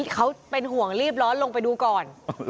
เขาเป็นห่วงรีบร้อนลงไปดูก่อน